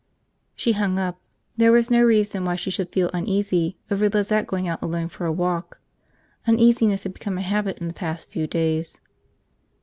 She hung up. There was no reason why she should feel uneasy over Lizette going out alone for a walk. Uneasiness had become a habit in the past few days.